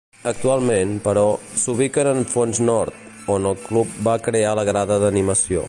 Actualment, però, s'ubiquen en fons nord, on el club va crear la grada d'animació.